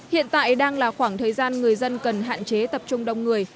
hiện tại đang là khoảng thời gian người dân cần hạn chế tập trung đông người